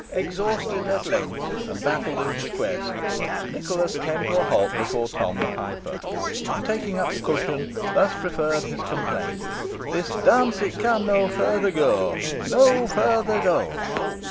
Exhausted at length, and baffled in his quest, Nicholas came to a halt before Tom the Piper, and, taking up the cushion, thus preferred his complaint: "This dance it can no further go no further go."